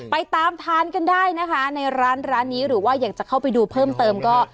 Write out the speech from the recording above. ไปตามทานกันได้นะคะในร้านร้านนี้หรือว่าอยากจะเข้าไปดูเพิ่มเติมก็